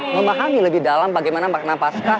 memahami lebih dalam bagaimana makna pascah